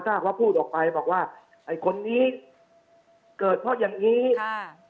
ถ้าเขาพูดออกไปบอกว่าไอ้คนนี้เกิดเพราะอย่างงี้อ่า